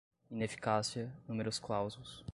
ineficácia, numerus clausus